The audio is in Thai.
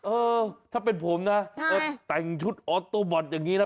เออถ้าเป็นผมนะแต่งชุดออโตนอย่างนี้นะ